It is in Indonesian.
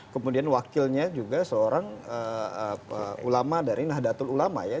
kemudian wakilnya juga seorang ulama dari nahdlatul ulama ya